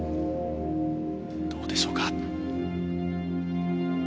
どうでしょうか。